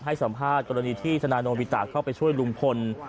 ให้สัมภาษณ์กรณีที่ธนาโนวิตะเข้าไปช่วยลุงพล